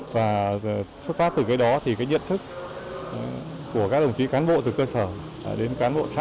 và xuất phát từ cái đó thì cái nhận thức của các đồng chí cán bộ từ cơ sở đến cán bộ xã